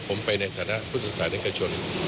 ผมไปในฐานะพุทธศาสนิกชน